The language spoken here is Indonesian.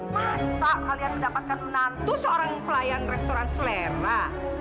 masa kalian mendapatkan menantu seorang pelayan restoran selera